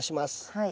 はい。